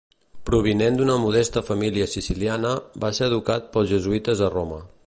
Provinent d'una modesta família siciliana, va ser educat pels jesuïtes a Roma.